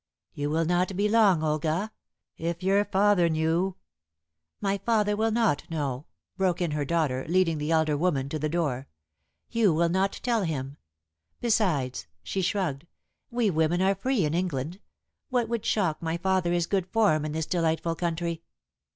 "You will not be long, Olga? If your father knew " "My father will not know," broke in her daughter, leading the elder woman to the door. "You will not tell him. Besides," (she shrugged), "we women are free in England. What would shock my father is good form in this delightful country."